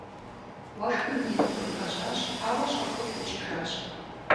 Уэшхым ину къригъэжьащ, ауэ щӏэхыу пичыжащ.